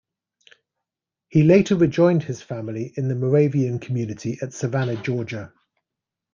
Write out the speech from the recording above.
He later rejoined his family in the Moravian community at Savannah, Georgia.